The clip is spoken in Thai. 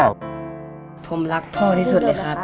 ผมรักพ่อที่สุดเลยครับ